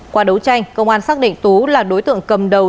qua đấu tranh công an xác định tú là đối tượng cầm đầu